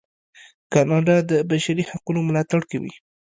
کاناډا د بشري حقونو ملاتړ کوي.